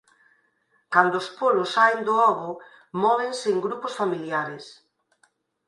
Cando os polos saen do ovo móvense en grupos familiares.